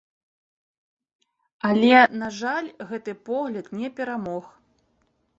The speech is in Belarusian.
Але, на жаль, гэты погляд не перамог.